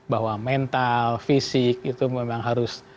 bahwa mental fisik itu memang harus